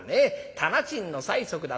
店賃の催促だ。